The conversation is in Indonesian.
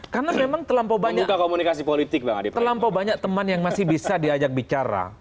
karena memang terlampau banyak teman yang masih bisa diajak bicara